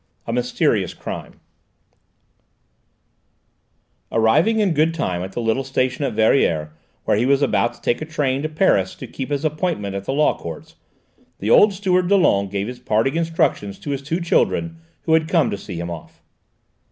A MYSTERIOUS CRIME Arriving in good time at the little station at Verrières, where he was about to take a train to Paris to keep his appointment at the Law Courts, the old steward Dollon gave his parting instructions to his two children, who had come to see him off.